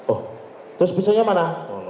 oh terus pisau nya mana